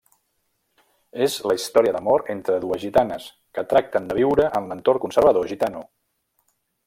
És la història d'amor entre dues gitanes, que tracten de viure en l'entorn conservador gitano.